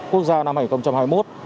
quốc gia năm hai nghìn hai mươi một